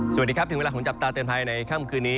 สวัสดีครับถึงเวลาของจับตาเตือนภัยในค่ำคืนนี้